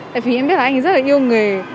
tại vì em biết là anh rất là yêu nghề